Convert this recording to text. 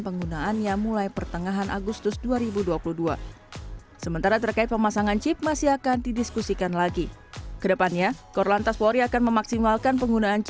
ini adalah satu dari beberapa hal yang akan diperlukan